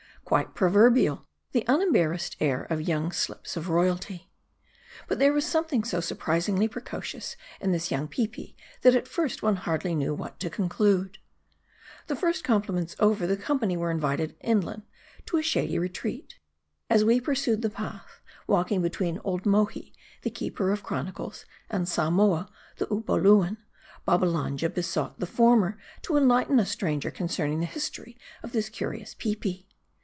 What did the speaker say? Quite proverbial, the unembarrassed air of young slips of royalty. But there was something so surprisingly preco cious in this young Peepi, that at first one hardly knew what to conclude. The first compliments over, the company were invited in land to a shady retreat. As we pursued the path, walking between old Mohi the keeper of chronicles and Samoa the Upoluan, Babbalanja besought the former to enlighten a stranger concerning the history of this curious Peepi.